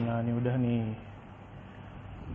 nah ini udah nih